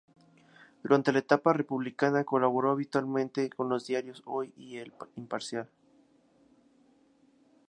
Durante la etapa republicana colaboró habitualmente con los diarios "Hoy" y "El Imparcial".